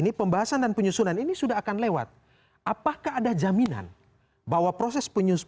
ini pembahasan dan penyusunan ini sudah akan lewat apakah ada jaminan bahwa proses penyusunan